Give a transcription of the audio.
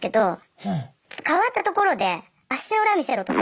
変わったところで「足の裏見せろ」とか。